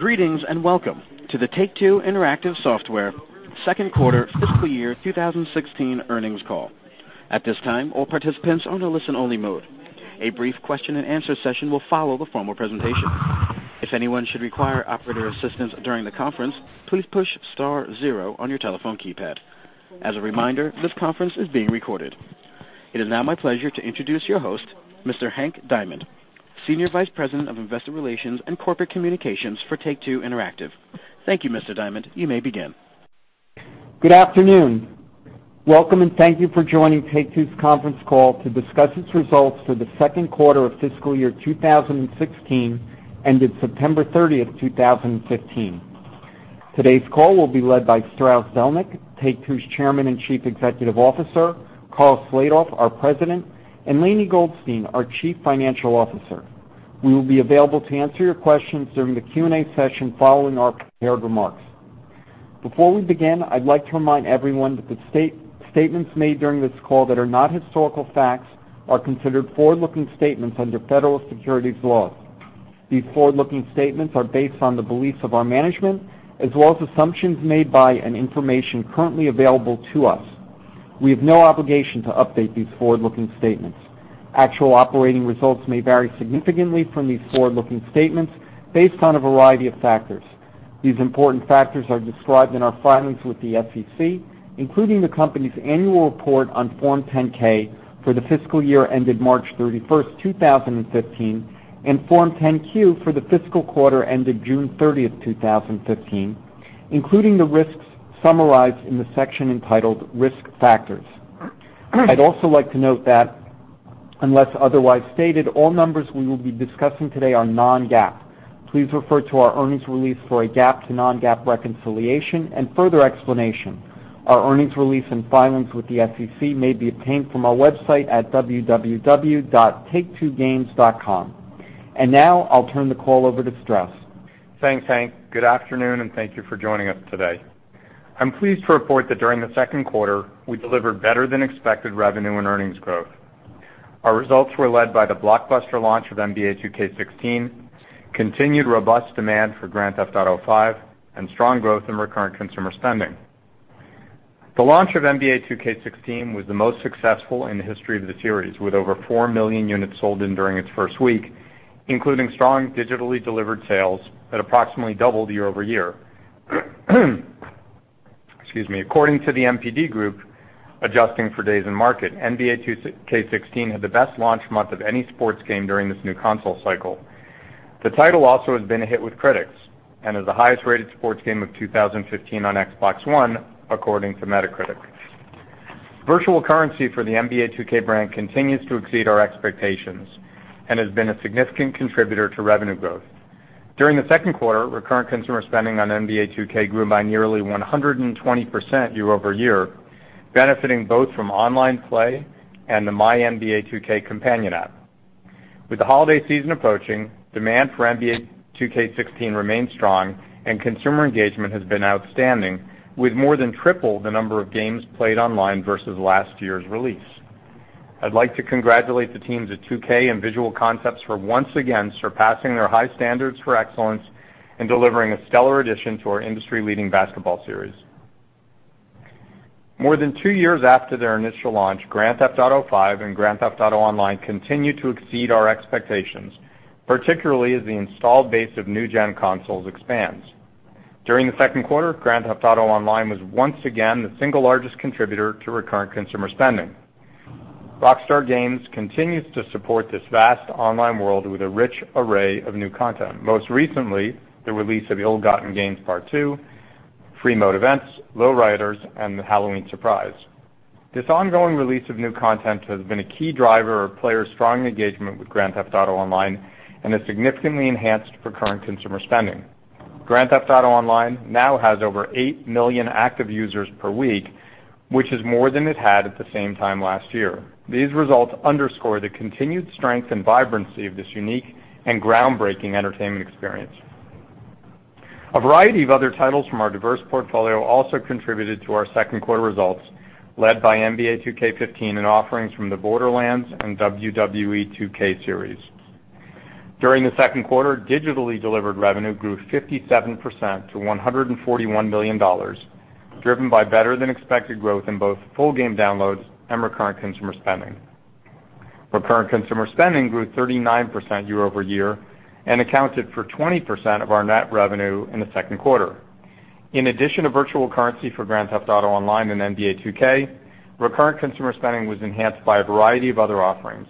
Greetings. Welcome to the Take-Two Interactive Software second quarter fiscal year 2016 earnings call. At this time, all participants are in a listen-only mode. A brief question-and-answer session will follow the formal presentation. If anyone should require operator assistance during the conference, please push star zero on your telephone keypad. As a reminder, this conference is being recorded. It is now my pleasure to introduce your host, Mr. Hank Dejan, Senior Vice President of Investor Relations and Corporate Communications for Take-Two Interactive. Thank you, Mr. Dejan. You may begin. Good afternoon. Welcome. Thank you for joining Take-Two's conference call to discuss its results for the second quarter of fiscal year 2016, ended September 30, 2015. Today's call will be led by Strauss Zelnick, Take-Two's Chairman and Chief Executive Officer, Karl Slatoff, our President, and Lainie Goldstein, our Chief Financial Officer. We will be available to answer your questions during the Q&A session following our prepared remarks. Before we begin, I'd like to remind everyone that the statements made during this call that are not historical facts are considered forward-looking statements under federal securities laws. These forward-looking statements are based on the beliefs of our management, as well as assumptions made by and information currently available to us. We have no obligation to update these forward-looking statements. Actual operating results may vary significantly from these forward-looking statements based on a variety of factors. These important factors are described in our filings with the SEC, including the company's annual report on Form 10-K for the fiscal year ended March 31, 2015, and Form 10-Q for the fiscal quarter ended June 30, 2015, including the risks summarized in the section entitled Risk Factors. I'd also like to note that unless otherwise stated, all numbers we will be discussing today are non-GAAP. Please refer to our earnings release for a GAAP to non-GAAP reconciliation and further explanation. Our earnings release and filings with the SEC may be obtained from our website at www.taketwogames.com. Now I'll turn the call over to Strauss. Thanks, Hank. Good afternoon. Thank you for joining us today. I'm pleased to report that during the second quarter, we delivered better than expected revenue and earnings growth. Our results were led by the blockbuster launch of NBA 2K16, continued robust demand for Grand Theft Auto V, and strong growth in recurrent consumer spending. The launch of NBA 2K16 was the most successful in the history of the series, with over 4 million units sold in during its first week, including strong digitally delivered sales that approximately doubled year-over-year. Excuse me. According to the NPD Group, adjusting for days in market, NBA 2K16 had the best launch month of any sports game during this new console cycle. The title also has been a hit with critics and is the highest-rated sports game of 2015 on Xbox One, according to Metacritic. Virtual currency for the NBA 2K brand continues to exceed our expectations and has been a significant contributor to revenue growth. During the second quarter, recurrent consumer spending on NBA 2K grew by nearly 120% year-over-year, benefiting both from online play and the MyNBA2K companion app. With the holiday season approaching, demand for NBA 2K16 remains strong and consumer engagement has been outstanding, with more than triple the number of games played online versus last year's release. I'd like to congratulate the teams at 2K and Visual Concepts for once again surpassing their high standards for excellence in delivering a stellar addition to our industry-leading basketball series. More than two years after their initial launch, Grand Theft Auto V and Grand Theft Auto Online continue to exceed our expectations, particularly as the installed base of new-gen consoles expands. During the second quarter, Grand Theft Auto Online was once again the single largest contributor to recurrent consumer spending. Rockstar Games continues to support this vast online world with a rich array of new content, most recently the release of Ill-Gotten Gains Part Two, Free Mode Events, Lowriders, and the Halloween Surprise. This ongoing release of new content has been a key driver of players' strong engagement with Grand Theft Auto Online and has significantly enhanced recurrent consumer spending. Grand Theft Auto Online now has over eight million active users per week, which is more than it had at the same time last year. These results underscore the continued strength and vibrancy of this unique and groundbreaking entertainment experience. A variety of other titles from our diverse portfolio also contributed to our second quarter results, led by NBA 2K15 and offerings from the Borderlands and WWE 2K series. During the second quarter, digitally delivered revenue grew 57% to $141 million, driven by better than expected growth in both full game downloads and recurrent consumer spending. Recurrent consumer spending grew 39% year-over-year and accounted for 20% of our net revenue in the second quarter. In addition to virtual currency for Grand Theft Auto Online and NBA 2K, recurrent consumer spending was enhanced by a variety of other offerings.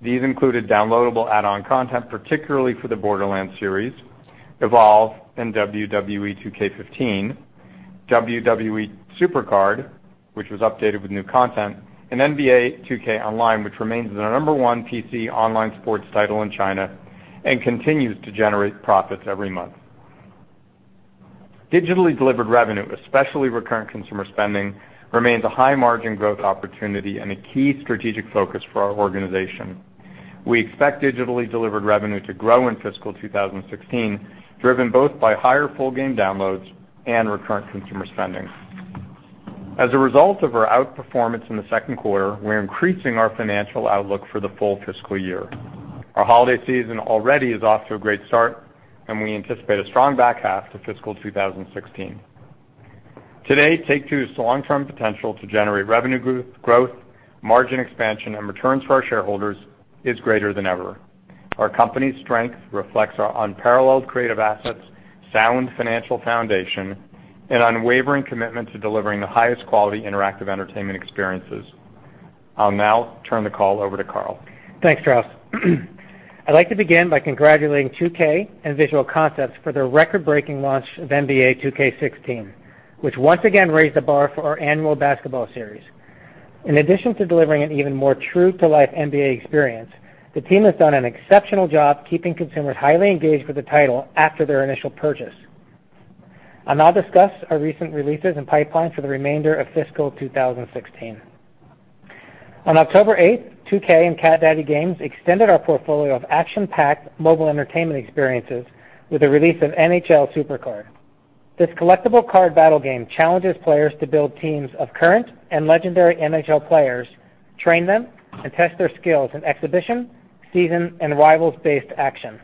These included downloadable add-on content, particularly for the Borderlands series, Evolve and WWE 2K15, WWE SuperCard, which was updated with new content, and NBA 2K Online, which remains the number one PC online sports title in China and continues to generate profits every month. Digitally delivered revenue, especially recurrent consumer spending, remains a high margin growth opportunity and a key strategic focus for our organization. We expect digitally delivered revenue to grow in fiscal 2016, driven both by higher full game downloads and recurrent consumer spending. As a result of our outperformance in the second quarter, we're increasing our financial outlook for the full fiscal year. Our holiday season already is off to a great start, and we anticipate a strong back half to fiscal 2016. Today, Take-Two's long-term potential to generate revenue growth, margin expansion, and returns for our shareholders is greater than ever. Our company's strength reflects our unparalleled creative assets, sound financial foundation, and unwavering commitment to delivering the highest quality interactive entertainment experiences. I'll now turn the call over to Karl. Thanks, Strauss. I'd like to begin by congratulating 2K and Visual Concepts for their record-breaking launch of "NBA 2K16," which once again raised the bar for our annual basketball series. In addition to delivering an even more true-to-life NBA experience, the team has done an exceptional job keeping consumers highly engaged with the title after their initial purchase. I'll now discuss our recent releases and pipeline for the remainder of fiscal 2016. On October 8th, 2K and Cat Daddy Games extended our portfolio of action-packed mobile entertainment experiences with the release of "NHL SuperCard." This collectible card battle game challenges players to build teams of current and legendary NHL players, train them, and test their skills in exhibition, season, and rivals-based action.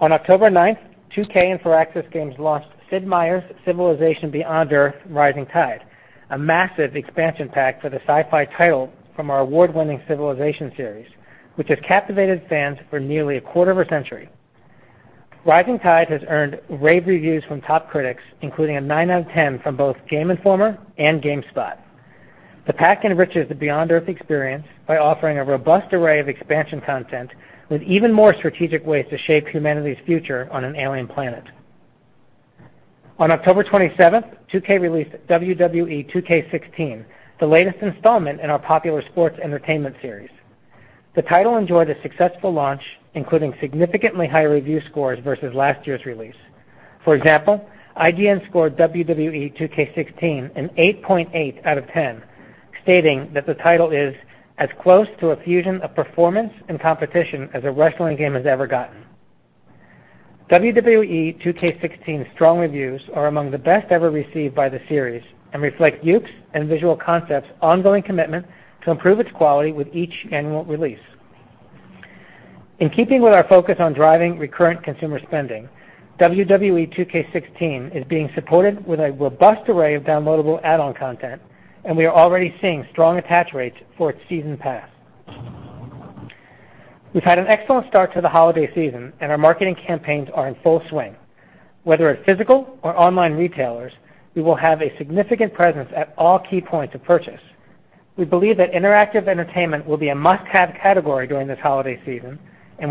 On October 9th, 2K and Firaxis Games launched "Sid Meier's Civilization Beyond Earth: Rising Tide," a massive expansion pack for the sci-fi title from our award-winning Civilization series, which has captivated fans for nearly a quarter of a century. Rising Tide has earned rave reviews from top critics, including a nine out of 10 from both Game Informer and GameSpot. The pack enriches the Beyond Earth experience by offering a robust array of expansion content with even more strategic ways to shape humanity's future on an alien planet. On October 27th, 2K released "WWE 2K16," the latest installment in our popular sports entertainment series. The title enjoyed a successful launch, including significantly higher review scores versus last year's release. For example, IGN scored "WWE 2K16" an 8.8 out of 10, stating that the title is as close to a fusion of performance and competition as a wrestling game has ever gotten. "WWE 2K16's" strong reviews are among the best ever received by the series and reflect Yuke's and Visual Concepts' ongoing commitment to improve its quality with each annual release. In keeping with our focus on driving recurrent consumer spending, "WWE 2K16" is being supported with a robust array of downloadable add-on content. We are already seeing strong attach rates for its season pass. We've had an excellent start to the holiday season. Our marketing campaigns are in full swing. Whether at physical or online retailers, we will have a significant presence at all key points of purchase. We believe that interactive entertainment will be a must-have category during this holiday season.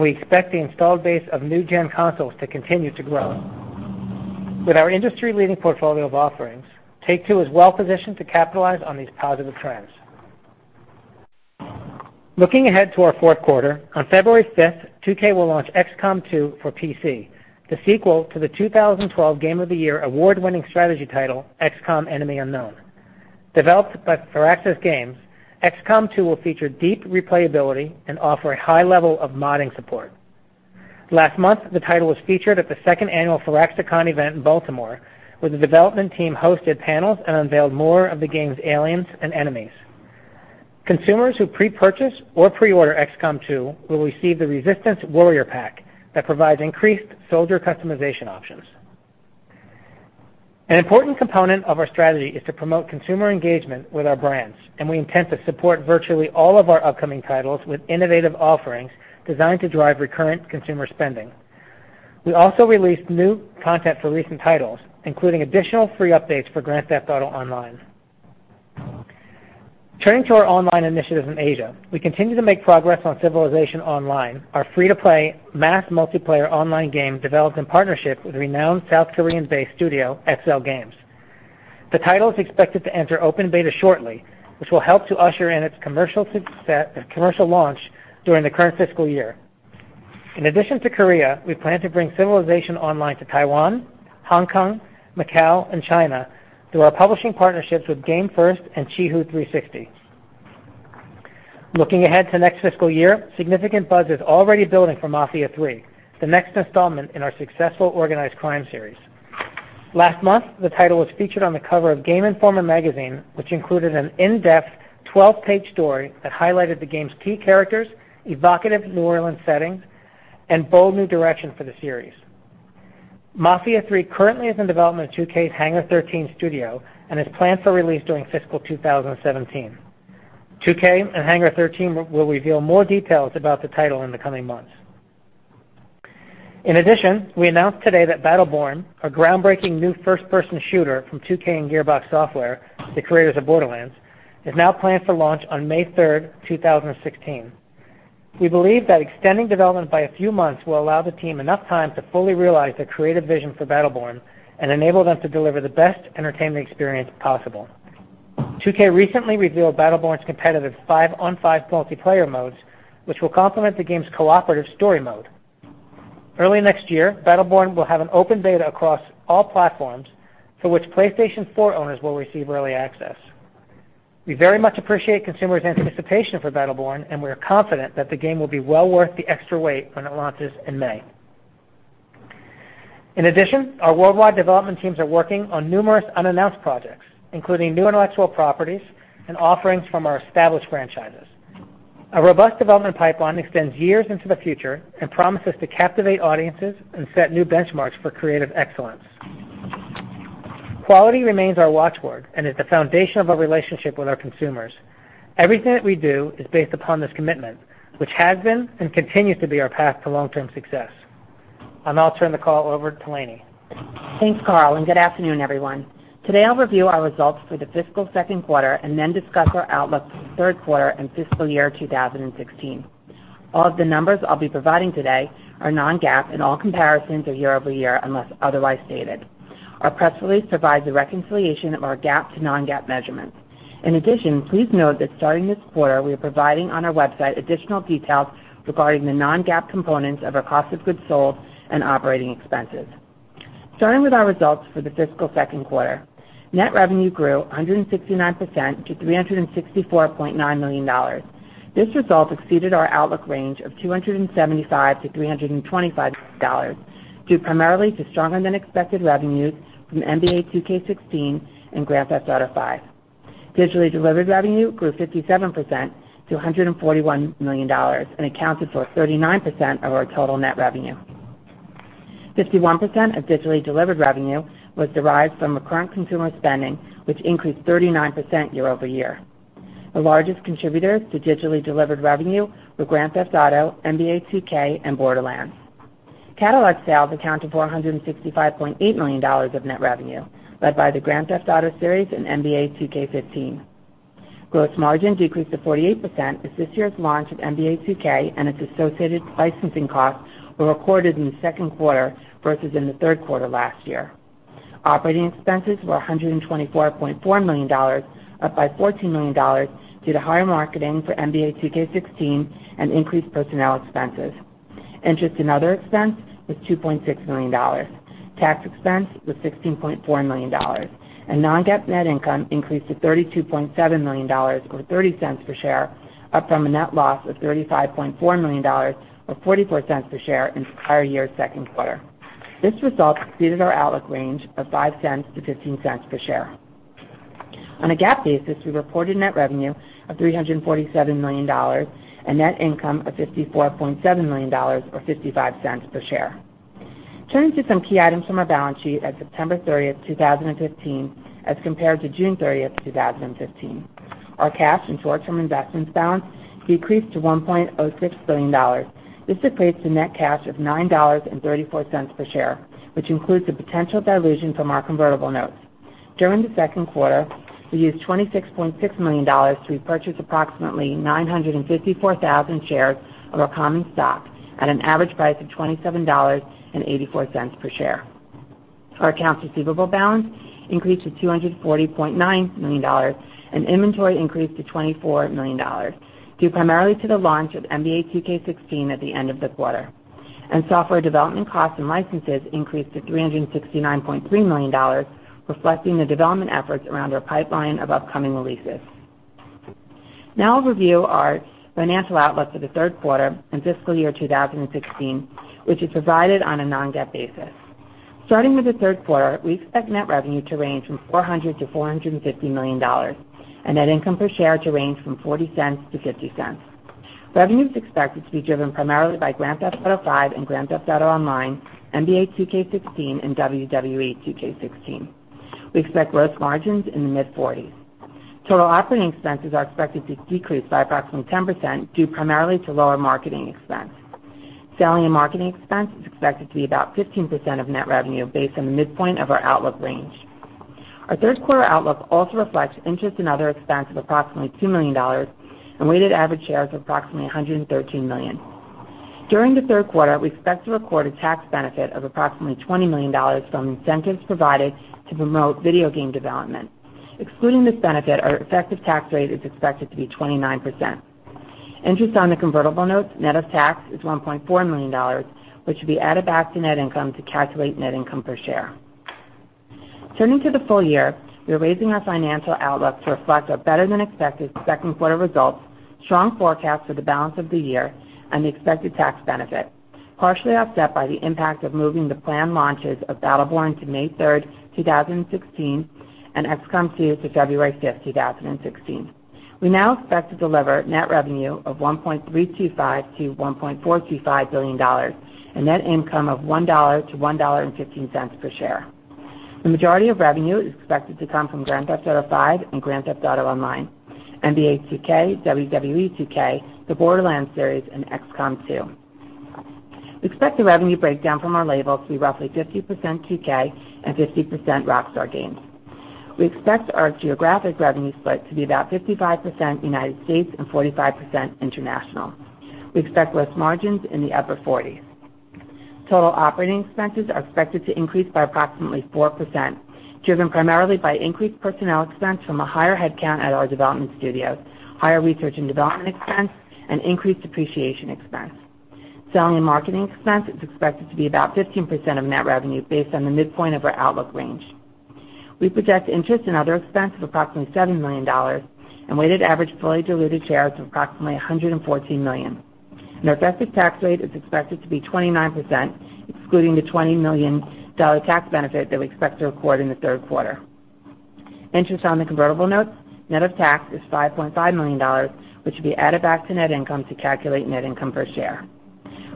We expect the installed base of new-gen consoles to continue to grow. With our industry-leading portfolio of offerings, Take-Two is well-positioned to capitalize on these positive trends. Looking ahead to our fourth quarter, on February 5th, 2K will launch "XCOM 2" for PC, the sequel to the 2012 Game of the Year award-winning strategy title, "XCOM: Enemy Unknown." Developed by Firaxis Games, "XCOM 2" will feature deep replayability and offer a high level of modding support. Last month, the title was featured at the second annual Firaxicon event in Baltimore, where the development team hosted panels and unveiled more of the game's aliens and enemies. Consumers who pre-purchase or pre-order "XCOM 2" will receive the Resistance Warrior Pack that provides increased soldier customization options. An important component of our strategy is to promote consumer engagement with our brands. We intend to support virtually all of our upcoming titles with innovative offerings designed to drive recurrent consumer spending. We also released new content for recent titles, including additional free updates for "Grand Theft Auto Online." Turning to our online initiatives in Asia, we continue to make progress on "Civilization Online," our free-to-play mass multiplayer online game developed in partnership with renowned South Korean-based studio XLGAMES. The title is expected to enter open beta shortly, which will help to usher in its commercial launch during the current fiscal year. In addition to Korea, we plan to bring "Civilization Online" to Taiwan, Hong Kong, Macau, and China through our publishing partnerships with GamersFirst and Qihoo 360. Looking ahead to next fiscal year, significant buzz is already building for "Mafia III," the next installment in our successful organized crime series. Last month, the title was featured on the cover of Game Informer magazine, which included an in-depth 12-page story that highlighted the game's key characters, evocative New Orleans setting, and bold new direction for the series. "Mafia III" currently is in development at 2K's Hangar 13 studio and is planned for release during fiscal 2017. 2K and Hangar 13 will reveal more details about the title in the coming months. In addition, we announced today that "Battleborn," a groundbreaking new first-person shooter from 2K and Gearbox Software, the creators of "Borderlands," is now planned for launch on May 3rd, 2016. We believe that extending development by a few months will allow the team enough time to fully realize their creative vision for "Battleborn" and enable them to deliver the best entertainment experience possible. 2K recently revealed Battleborn's competitive five-on-five multiplayer modes, which will complement the game's cooperative story mode. Early next year, "Battleborn" will have an open beta across all platforms for which PlayStation 4 owners will receive early access. We very much appreciate consumers' anticipation for "Battleborn," and we are confident that the game will be well worth the extra wait when it launches in May. In addition, our worldwide development teams are working on numerous unannounced projects, including new intellectual properties and offerings from our established franchises. A robust development pipeline extends years into the future and promises to captivate audiences and set new benchmarks for creative excellence. Quality remains our watchword. Is the foundation of our relationship with our consumers. Everything that we do is based upon this commitment, which has been and continues to be our path to long-term success. I'll now turn the call over to Lainie. Thanks, Karl, and good afternoon, everyone. Today, I'll review our results for the fiscal second quarter. Then discuss our outlook for the third quarter and fiscal year 2016. All of the numbers I'll be providing today are non-GAAP, and all comparisons are year-over-year, unless otherwise stated. Our press release provides a reconciliation of our GAAP to non-GAAP measurements. In addition, please note that starting this quarter, we are providing on our website additional details regarding the non-GAAP components of our cost of goods sold and operating expenses. Starting with our results for the fiscal second quarter. Net revenue grew 169% to $364.9 million. This result exceeded our outlook range of $275 million-$325 million due primarily to stronger than expected revenues from "NBA 2K16" and "Grand Theft Auto V." Digitally delivered revenue grew 57% to $141 million and accounted for 39% of our total net revenue. 51% of digitally delivered revenue was derived from recurrent consumer spending, which increased 39% year-over-year. The largest contributors to digitally delivered revenue were "Grand Theft Auto," "NBA 2K," and "Borderlands." Catalog sales accounted for $165.8 million of net revenue, led by the "Grand Theft Auto" series and "NBA 2K15." Gross margin decreased to 48% as this year's launch of "NBA 2K" and its associated licensing costs were recorded in the second quarter versus in the third quarter last year. Operating expenses were $124.4 million, up by $14 million due to higher marketing for "NBA 2K16" and increased personnel expenses. Interest and other expense was $2.6 million. Tax expense was $16.4 million. Non-GAAP net income increased to $32.7 million, or $0.30 per share, up from a net loss of $35.4 million, or $0.44 per share in prior year's second quarter. This result exceeded our outlook range of $0.05-$0.15 per share. On a GAAP basis, we reported net revenue of $347 million and net income of $54.7 million, or $0.55 per share. Turning to some key items from our balance sheet as of September 30th, 2015, as compared to June 30th, 2015. Our cash and short-term investments balance decreased to $1.06 billion. This equates to net cash of $9.34 per share, which includes the potential dilution from our convertible notes. During the second quarter, we used $26.6 million to repurchase approximately 954,000 shares of our common stock at an average price of $27.84 per share. Our accounts receivable balance increased to $240.9 million, and inventory increased to $24 million, due primarily to the launch of "NBA 2K16" at the end of the quarter. Software development costs and licenses increased to $369.3 million, reflecting the development efforts around our pipeline of upcoming releases. Now I'll review our financial outlook for the third quarter and fiscal year 2016, which is provided on a non-GAAP basis. Starting with the third quarter, we expect net revenue to range from $400 million-$450 million, and net income per share to range from $0.40-$0.50. Revenue is expected to be driven primarily by "Grand Theft Auto V" and "Grand Theft Auto Online," "NBA 2K16," and "WWE 2K16." We expect gross margins in the mid-40s. Total operating expenses are expected to decrease by approximately 10%, due primarily to lower marketing expense. Selling and marketing expense is expected to be about 15% of net revenue based on the midpoint of our outlook range. Our third quarter outlook also reflects interest and other expense of approximately $2 million and weighted average shares of approximately 113 million. During the third quarter, we expect to record a tax benefit of approximately $20 million from incentives provided to promote video game development. Excluding this benefit, our effective tax rate is expected to be 29%. Interest on the convertible notes net of tax is $1.4 million, which will be added back to net income to calculate net income per share. Turning to the full year, we are raising our financial outlook to reflect our better than expected second quarter results, strong forecast for the balance of the year, and the expected tax benefit, partially offset by the impact of moving the planned launches of Battleborn to May 3rd, 2016, and XCOM 2 to February 5th, 2016. We now expect to deliver net revenue of $1.325 billion-$1.425 billion and net income of $1-$1.15 per share. The majority of revenue is expected to come from Grand Theft Auto V and Grand Theft Auto Online, NBA 2K, WWE 2K, the Borderlands series, and XCOM 2. We expect the revenue breakdown from our labels to be roughly 50% 2K and 50% Rockstar Games. We expect our geographic revenue split to be about 55% United States and 45% international. We expect gross margins in the upper 40s. Total operating expenses are expected to increase by approximately 4%, driven primarily by increased personnel expense from a higher headcount at our development studios, higher research and development expense, and increased depreciation expense. Selling and marketing expense is expected to be about 15% of net revenue based on the midpoint of our outlook range. We project interest in other expense of approximately $7 million and weighted average fully diluted shares of approximately 114 million. Our effective tax rate is expected to be 29%, excluding the $20 million tax benefit that we expect to record in the third quarter. Interest on the convertible notes, net of tax is $5.5 million, which will be added back to net income to calculate net income per share.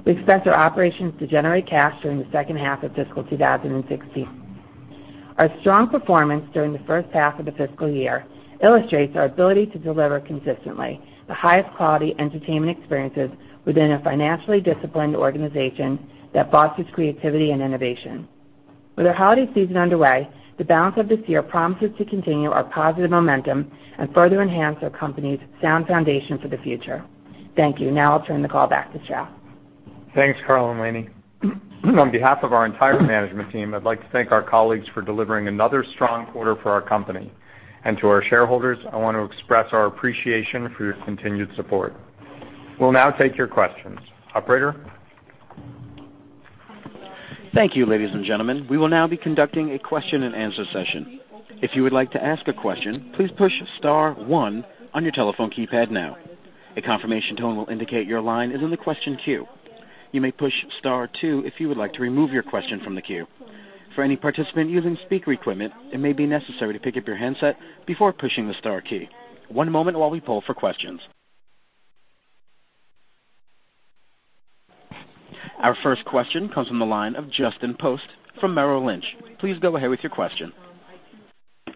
We expect our operations to generate cash during the second half of fiscal 2016. Our strong performance during the first half of the fiscal year illustrates our ability to deliver consistently the highest quality entertainment experiences within a financially disciplined organization that fosters creativity and innovation. With our holiday season underway, the balance of this year promises to continue our positive momentum and further enhance our company's sound foundation for the future. Thank you. Now I'll turn the call back to Strauss. Thanks, Karl and Lainie. On behalf of our entire management team, I'd like to thank our colleagues for delivering another strong quarter for our company. To our shareholders, I want to express our appreciation for your continued support. We'll now take your questions. Operator? Thank you. Ladies and gentlemen, we will now be conducting a question and answer session. If you would like to ask a question, please push star one on your telephone keypad now. A confirmation tone will indicate your line is in the question queue. You may push star two if you would like to remove your question from the queue. For any participant using speaker equipment, it may be necessary to pick up your handset before pushing the star key. One moment while we poll for questions. Our first question comes from the line of Justin Post from Merrill Lynch. Please go ahead with your question.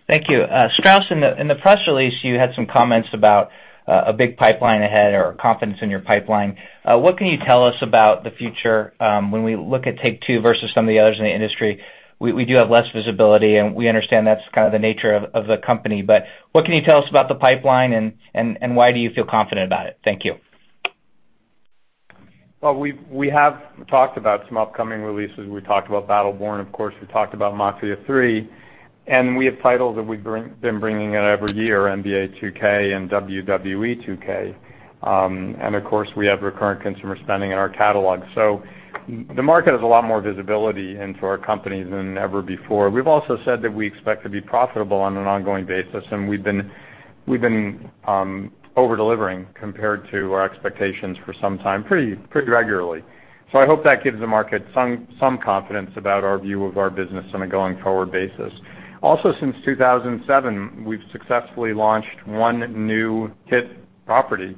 Thank you. Strauss, in the press release, you had some comments about a big pipeline ahead or confidence in your pipeline. What can you tell us about the future when we look at Take-Two versus some of the others in the industry? We do have less visibility, and we understand that's kind of the nature of the company. What can you tell us about the pipeline, and why do you feel confident about it? Thank you. Well, we have talked about some upcoming releases. We talked about Battleborn, of course, we talked about Mafia III, and we have titles that we've been bringing out every year, NBA 2K and WWE 2K. Of course, we have recurrent consumer spending in our catalog. The market has a lot more visibility into our company than ever before. We've also said that we expect to be profitable on an ongoing basis, and we've been over-delivering compared to our expectations for some time, pretty regularly. I hope that gives the market some confidence about our view of our business on a going-forward basis. Also, since 2007, we've successfully launched one new hit property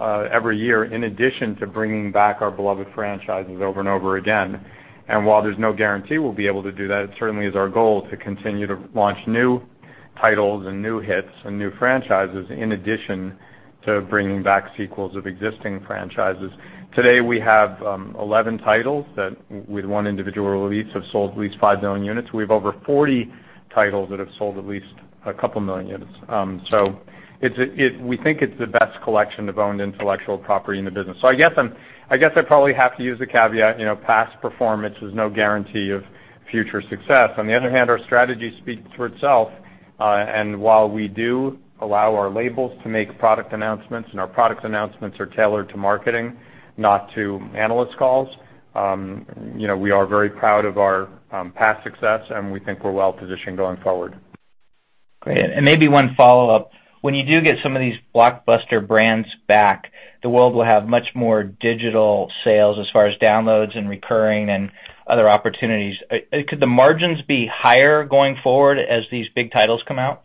every year, in addition to bringing back our beloved franchises over and over again. While there's no guarantee we'll be able to do that, it certainly is our goal to continue to launch new titles and new hits and new franchises in addition to bringing back sequels of existing franchises. Today, we have 11 titles that with one individual release have sold at least 5 million units. We have over 40 titles that have sold at least a couple million units. We think it's the best collection of owned intellectual property in the business. I guess I probably have to use the caveat, past performance is no guarantee of future success. On the other hand, our strategy speaks for itself. While we do allow our labels to make product announcements, and our product announcements are tailored to marketing, not to analyst calls, we are very proud of our past success, and we think we're well-positioned going forward. Great. Maybe one follow-up. When you do get some of these blockbuster brands back, the world will have much more digital sales as far as downloads and recurring and other opportunities. Could the margins be higher going forward as these big titles come out?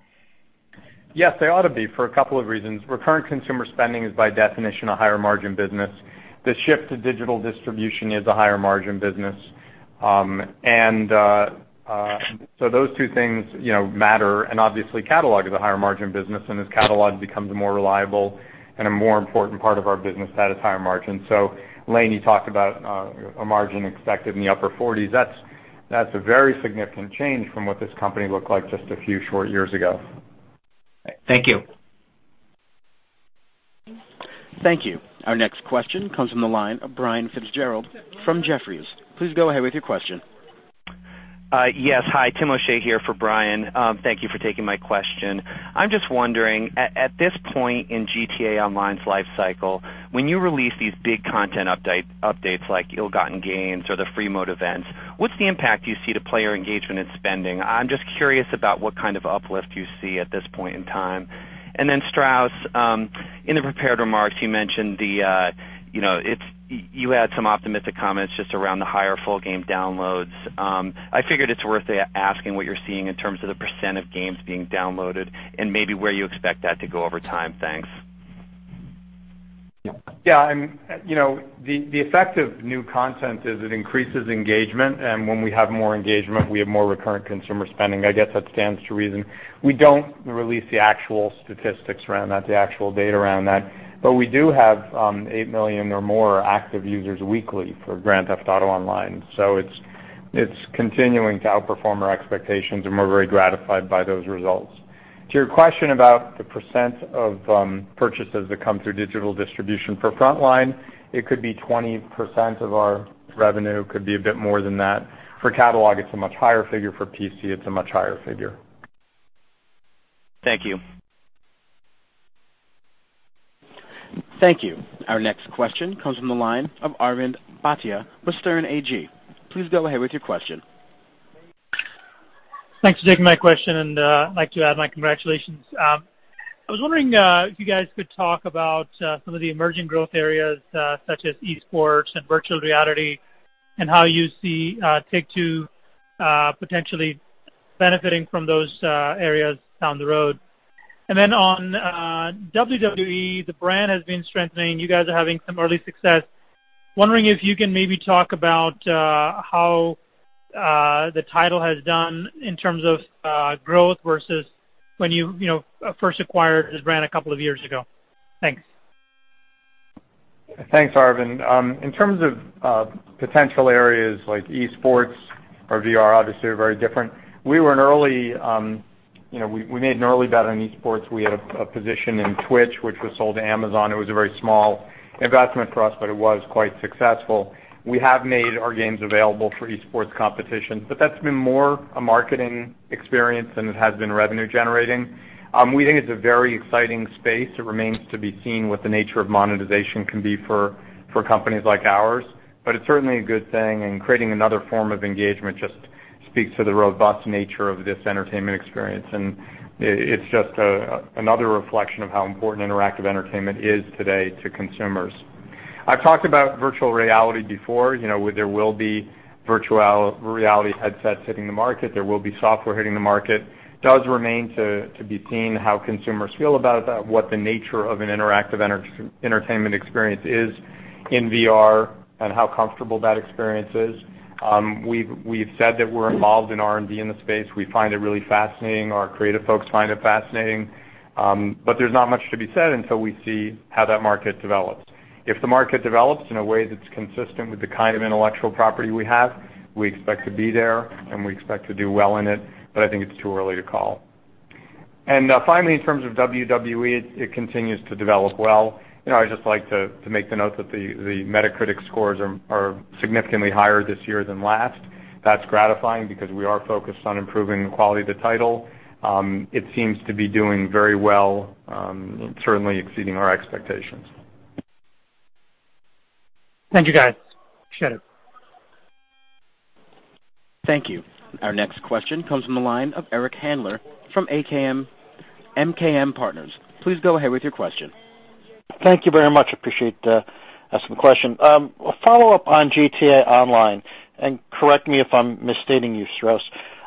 Yes, they ought to be for a couple of reasons. Recurrent consumer spending is, by definition, a higher margin business. The shift to digital distribution is a higher margin business. Those two things matter, and obviously, catalog is a higher margin business. As catalog becomes a more reliable and a more important part of our business, that is higher margin. Lainie talked about a margin expected in the upper 40s. That's a very significant change from what this company looked like just a few short years ago. Thank you. Thank you. Our next question comes from the line of Brian Fitzgerald from Jefferies. Please go ahead with your question. Yes. Hi, Tim O'Shea here for Brian. Thank you for taking my question. I'm just wondering, at this point in GTA Online's life cycle, when you release these big content updates like Ill-Gotten Gains or the Free Mode Events, what's the impact you see to player engagement and spending? I'm just curious about what kind of uplift you see at this point in time. Then Strauss, in the prepared remarks, you had some optimistic comments just around the higher full game downloads. I figured it's worth asking what you're seeing in terms of the % of games being downloaded and maybe where you expect that to go over time. Thanks. The effect of new content is it increases engagement, when we have more engagement, we have more recurrent consumer spending. I guess that stands to reason. We don't release the actual statistics around that, the actual data around that. We do have 8 million or more active users weekly for Grand Theft Auto Online. It's continuing to outperform our expectations, and we're very gratified by those results. To your question about the % of purchases that come through digital distribution for front line, it could be 20% of our revenue, could be a bit more than that. For catalog, it's a much higher figure. For PC, it's a much higher figure. Thank you. Thank you. Our next question comes from the line of Arvind Bhatia with Sterne Agee. Please go ahead with your question. Thanks for taking my question. I'd like to add my congratulations. I was wondering if you guys could talk about some of the emerging growth areas such as e-sports and virtual reality. How you see Take-Two potentially benefiting from those areas down the road. On WWE, the brand has been strengthening. You guys are having some early success. Wondering if you can maybe talk about how the title has done in terms of growth versus when you first acquired this brand a couple of years ago. Thanks. Thanks, Arvind. In terms of potential areas like e-sports or VR, obviously, they're very different. We made an early bet on e-sports. We had a position in Twitch, which was sold to Amazon. It was a very small investment for us, but it was quite successful. We have made our games available for e-sports competition, but that's been more a marketing experience than it has been revenue generating. We think it's a very exciting space. It remains to be seen what the nature of monetization can be for companies like ours, but it's certainly a good thing. Creating another form of engagement just speaks to the robust nature of this entertainment experience. It's just another reflection of how important interactive entertainment is today to consumers. I've talked about virtual reality before. There will be virtual reality headsets hitting the market. There will be software hitting the market. It does remain to be seen how consumers feel about that, what the nature of an interactive entertainment experience is in VR, and how comfortable that experience is. We've said that we're involved in R&D in the space. We find it really fascinating. Our creative folks find it fascinating. There's not much to be said until we see how that market develops. If the market develops in a way that's consistent with the kind of intellectual property we have, we expect to be there, and we expect to do well in it, but I think it's too early to call. Finally, in terms of WWE, it continues to develop well. I'd just like to make the note that the Metacritic scores are significantly higher this year than last. That's gratifying because we are focused on improving the quality of the title. It seems to be doing very well, certainly exceeding our expectations. Thank you, guys. Appreciate it. Thank you. Our next question comes from the line of Eric Handler from MKM Partners. Please go ahead with your question. Thank you very much. Appreciate asking the question. A follow-up on GTA Online. Correct me if I'm misstating you, Strauss.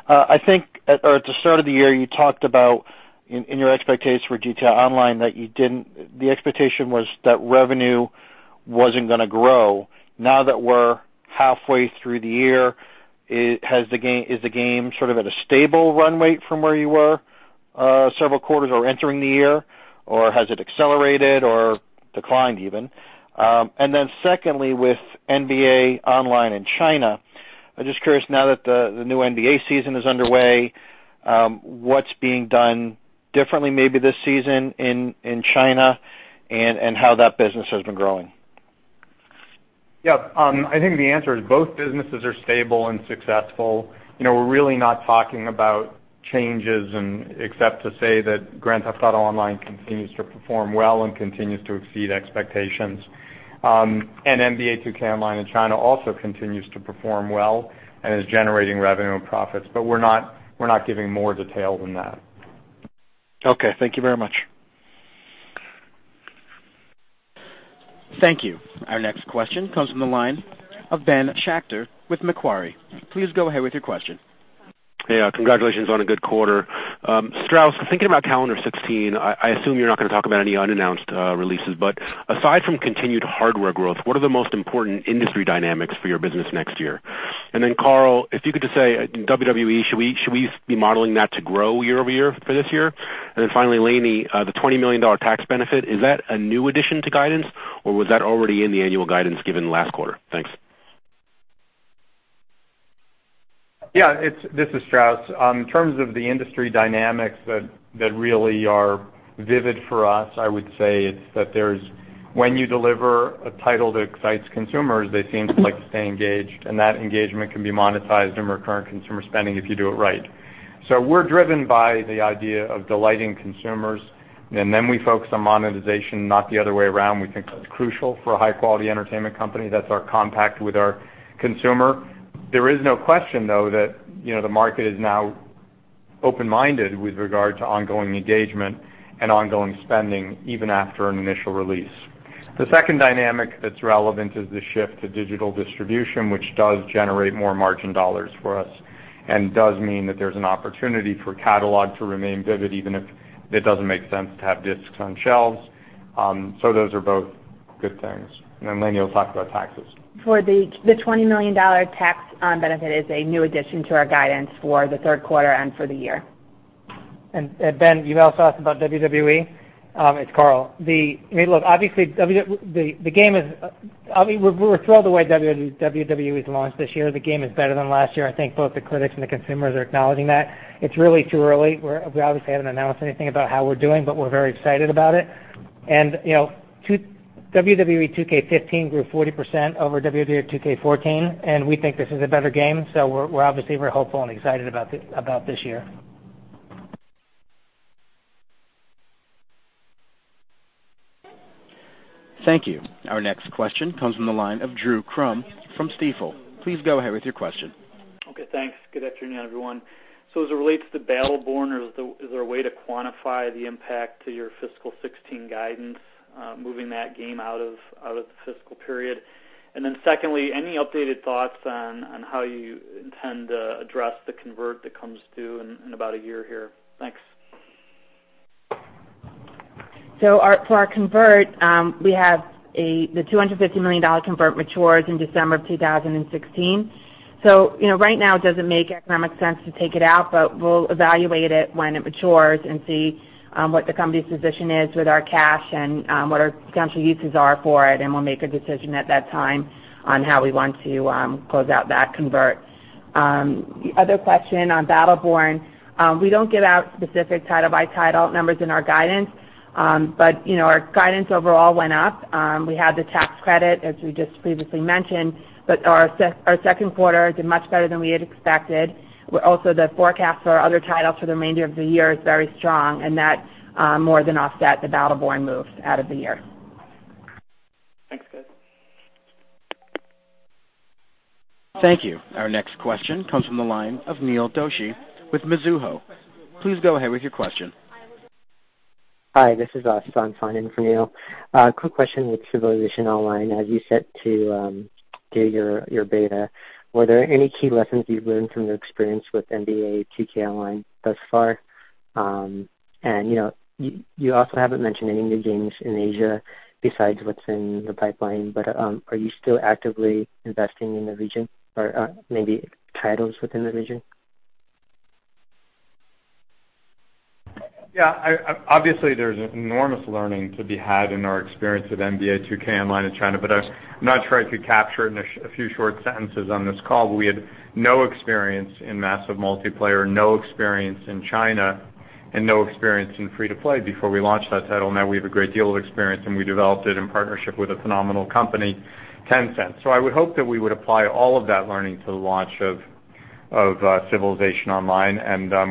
I think at the start of the year, you talked about in your expectations for GTA Online, that the expectation was that revenue wasn't going to grow. Now that we're halfway through the year, is the game sort of at a stable run rate from where you were several quarters or entering the year? Or has it accelerated or declined even? Secondly, with NBA 2K Online in China, I'm just curious now that the new NBA season is underway, what's being done differently maybe this season in China and how that business has been growing? I think the answer is both businesses are stable and successful. We're really not talking about changes except to say that Grand Theft Auto Online continues to perform well and continues to exceed expectations. NBA 2K Online in China also continues to perform well and is generating revenue and profits, but we're not giving more detail than that. Thank you very much. Thank you. Our next question comes from the line of Ben Schachter with Macquarie. Please go ahead with your question. Congratulations on a good quarter. Strauss, thinking about calendar 2016, I assume you're not going to talk about any unannounced releases, but aside from continued hardware growth, what are the most important industry dynamics for your business next year? Then Karl, if you could just say, WWE, should we be modeling that to grow year-over-year for this year? Then finally, Lainie, the $20 million tax benefit, is that a new addition to guidance, or was that already in the annual guidance given last quarter? Thanks. This is Strauss. In terms of the industry dynamics that really are vivid for us, I would say it's that when you deliver a title that excites consumers, they seem to like to stay engaged, and that engagement can be monetized in recurrent consumer spending if you do it right. We're driven by the idea of delighting consumers, and then we focus on monetization, not the other way around. We think that's crucial for a high-quality entertainment company. That's our compact with our consumer. There is no question, though, that the market is now open-minded with regard to ongoing engagement and ongoing spending, even after an initial release. The second dynamic that's relevant is the shift to digital distribution, which does generate more margin dollars for us and does mean that there's an opportunity for catalog to remain vivid, even if it doesn't make sense to have discs on shelves. Those are both good things. Lainie will talk about taxes. The $20 million tax benefit is a new addition to our guidance for the third quarter and for the year. Ben, you also asked about WWE? It's Karl. Obviously, we were thrilled the way WWE was launched this year. The game is better than last year. I think both the critics and the consumers are acknowledging that. It's really too early. We obviously haven't announced anything about how we're doing, but we're very excited about it. WWE 2K15 grew 40% over WWE 2K14, and we think this is a better game, so we're obviously very hopeful and excited about this year. Thank you. Our next question comes from the line of Drew Crum from Stifel. Please go ahead with your question. Okay, thanks. Good afternoon, everyone. As it relates to Battleborn, is there a way to quantify the impact to your fiscal 2016 guidance, moving that game out of the fiscal period? Secondly, any updated thoughts on how you intend to address the convert that comes due in about one year here? Thanks. For our convert, we have the $250 million convert matures in December of 2016. Right now, it doesn't make economic sense to take it out, we'll evaluate it when it matures and see what the company's position is with our cash and what our potential uses are for it, we'll make a decision at that time on how we want to close out that convert. The other question on Battleborn, we don't give out specific title by title numbers in our guidance. Our guidance overall went up. We had the tax credit, as we just previously mentioned, our second quarter did much better than we had expected, where also the forecast for our other titles for the remainder of the year is very strong, and that more than offset the Battleborn moves out of the year. Thanks, guys. Thank you. Our next question comes from the line of Neil Doshi with Mizuho. Please go ahead with your question. Hi, this is Ashwin signing for Neil. Quick question with Civilization Online. As you set to do your beta, were there any key lessons you've learned from your experience with NBA 2K Online thus far? You also haven't mentioned any new games in Asia besides what's in the pipeline, are you still actively investing in the region or maybe titles within the region? Yeah, obviously, there's enormous learning to be had in our experience with NBA 2K Online in China, I'm not sure I could capture it in a few short sentences on this call. We had no experience in massive multiplayer, no experience in China, and no experience in free-to-play before we launched that title. Now we have a great deal of experience, and we developed it in partnership with a phenomenal company, Tencent. I would hope that we would apply all of that learning to the launch of Civilization Online,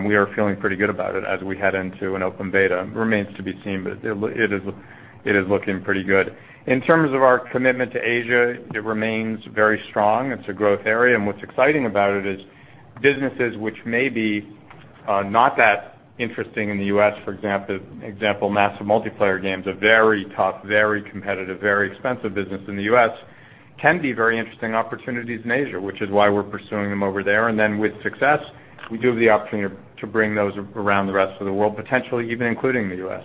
we are feeling pretty good about it as we head into an open beta. Remains to be seen, it is looking pretty good. In terms of our commitment to Asia, it remains very strong. It's a growth area, and what's exciting about it is businesses which may be not that interesting in the U.S. For example, massive multiplayer games, a very tough, very competitive, very expensive business in the U.S., can be very interesting opportunities in Asia, which is why we're pursuing them over there. With success, we do have the opportunity to bring those around the rest of the world, potentially even including the U.S.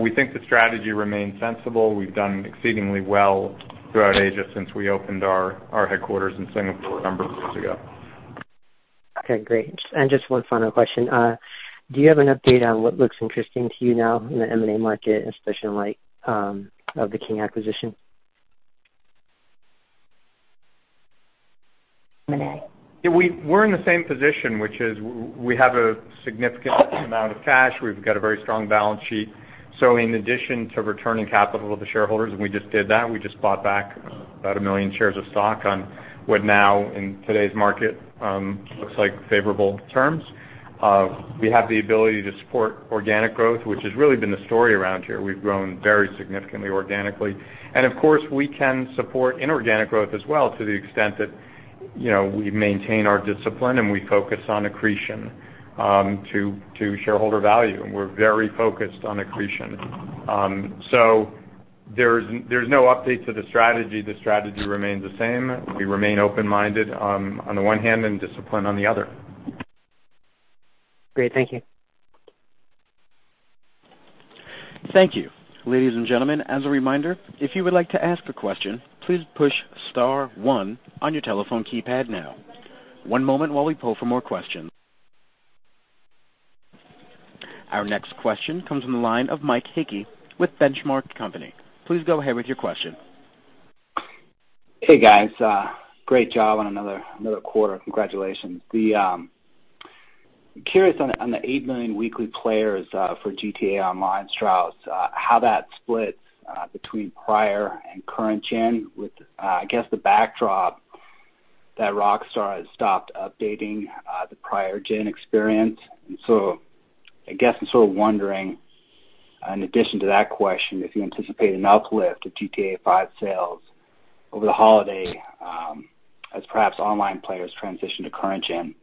We think the strategy remains sensible. We've done exceedingly well throughout Asia since we opened our headquarters in Singapore a number of years ago. Okay, great. Just one final question. Do you have an update on what looks interesting to you now in the M&A market, especially in light of the King acquisition? M&A. Yeah, we're in the same position, which is we have a significant amount of cash. We've got a very strong balance sheet. In addition to returning capital to shareholders, and we just did that, we just bought back about a million shares of stock on what now in today's market looks like favorable terms. We have the ability to support organic growth, which has really been the story around here. We've grown very significantly organically. Of course, we can support inorganic growth as well to the extent that we maintain our discipline and we focus on accretion to shareholder value. We're very focused on accretion. There's no update to the strategy. The strategy remains the same. We remain open-minded on the one hand and disciplined on the other. Great. Thank you. Thank you. Ladies and gentlemen, as a reminder, if you would like to ask a question, please push star one on your telephone keypad now. One moment while we pull for more questions. Our next question comes from the line of Mike Hickey with Benchmark Company. Please go ahead with your question. Hey, guys. Great job on another quarter. Congratulations. Curious on the 8 million weekly players for GTA Online, Strauss, how that splits between prior and current gen with, I guess, the backdrop that Rockstar has stopped updating the prior gen experience. I guess I'm sort of wondering, in addition to that question, if you anticipate an uplift of GTA V sales over the holiday as perhaps online players transition to current gen.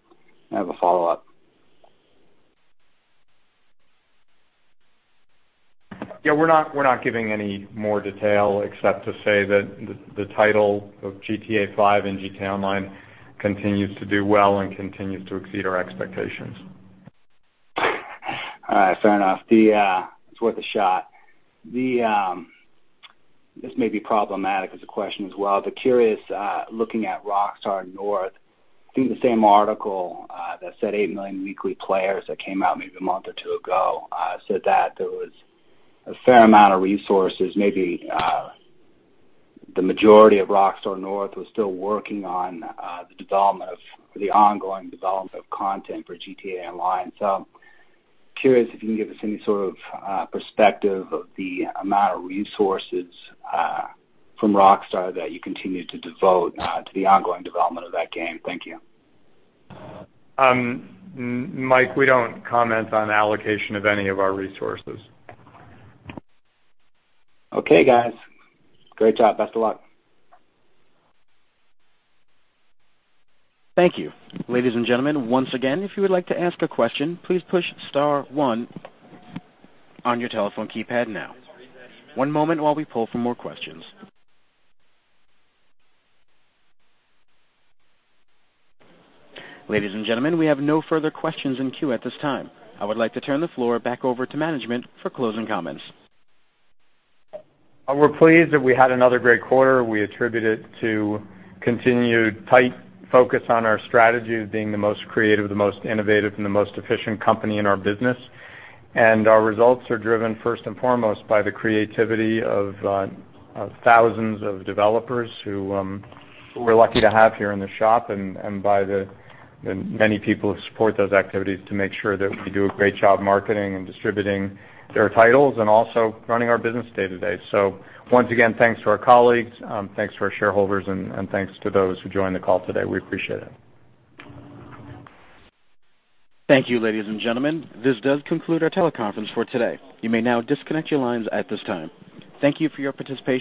I have a follow-up. Yeah, we're not giving any more detail except to say that the title of GTA V and GTA Online continues to do well and continues to exceed our expectations. All right, fair enough. It's worth a shot. This may be problematic as a question as well. Curious, looking at Rockstar North, I think the same article that said 8 million weekly players that came out maybe a month or two ago said that there was a fair amount of resources, maybe the majority of Rockstar North was still working on the ongoing development of content for GTA Online. Curious if you can give us any sort of perspective of the amount of resources from Rockstar that you continue to devote to the ongoing development of that game. Thank you. Mike, we don't comment on allocation of any of our resources. Okay, guys. Great job. Best of luck. Thank you. Ladies and gentlemen, once again, if you would like to ask a question, please push star one on your telephone keypad now. One moment while we pull for more questions. Ladies and gentlemen, we have no further questions in queue at this time. I would like to turn the floor back over to management for closing comments. We're pleased that we had another great quarter. We attribute it to continued tight focus on our strategy of being the most creative, the most innovative, and the most efficient company in our business. Our results are driven first and foremost by the creativity of thousands of developers who we're lucky to have here in the shop and by the many people who support those activities to make sure that we do a great job marketing and distributing their titles and also running our business day-to-day. Once again, thanks to our colleagues, thanks to our shareholders, and thanks to those who joined the call today. We appreciate it. Thank you, ladies and gentlemen. This does conclude our teleconference for today. You may now disconnect your lines at this time. Thank you for your participation.